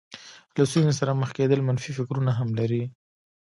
له ستونزې سره مخ کېدل منفي فکرونه هم لري.